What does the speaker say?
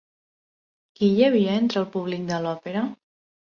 Qui hi havia entre el públic de l'òpera?